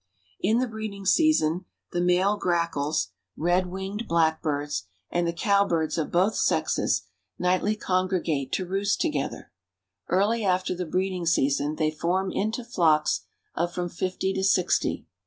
In the breeding season the male grackles, red winged blackbirds, and the cowbirds of both sexes, nightly congregate to roost together. Early after the breeding season they form into flocks of from fifty to sixty.